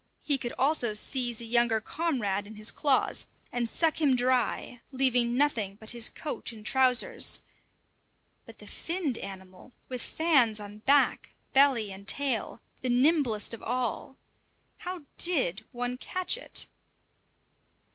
He could also seize a younger comrade in his claws, and suck him dry, leaving nothing but his coat and trousers; but the finned animal, with fans on back, belly, and tail, the nimblest of all how did one catch it?